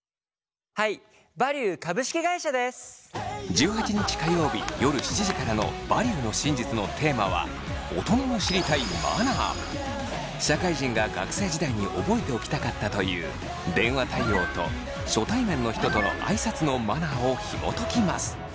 １８日火曜日夜７時からの「バリューの真実」のテーマは社会人が学生時代に覚えておきたかったという電話対応と初対面の人との挨拶のマナーをひもときます。